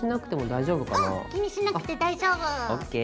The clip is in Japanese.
気にしなくて大丈夫。